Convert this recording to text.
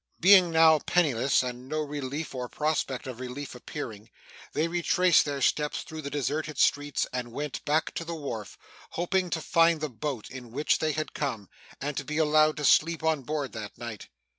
Being now penniless, and no relief or prospect of relief appearing, they retraced their steps through the deserted streets, and went back to the wharf, hoping to find the boat in which they had come, and to be allowed to sleep on board that night.